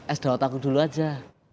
es daud aku dulu aja